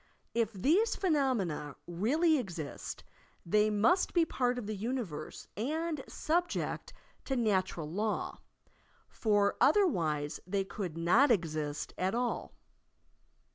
If these phenomena really exist they must be part of the universe and subject to natural law, for otherwise they could not exist at all.